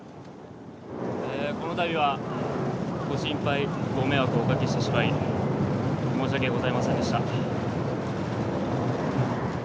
このたびはご心配、ご迷惑をおかけしてしまい、申し訳ございませんでした。